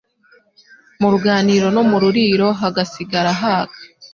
mu ruganiriro no mururiro hagasigara haka.